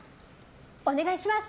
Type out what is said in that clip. お願いします！